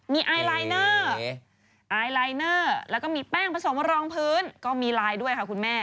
มีไอลายเนอร์ไอลายเนอร์แล้วก็มีแป้งผสมรองพื้นก็มีลายด้วยค่ะคุณแม่